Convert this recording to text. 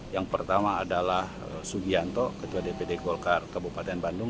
yang pertama adalah sugianto ketua dpd golkar kabupaten bandung